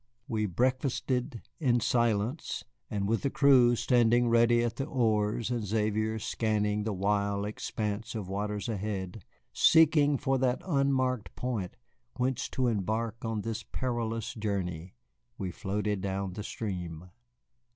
We breakfasted in silence, and with the crew standing ready at the oars and Xavier scanning the wide expanse of waters ahead, seeking for that unmarked point whence to embark on this perilous journey, we floated down the stream.